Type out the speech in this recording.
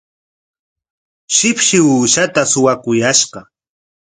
Shipshi uushaata suwakuyashqa.